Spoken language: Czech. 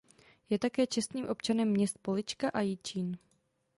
Je také čestným občanem měst Polička a Jičín.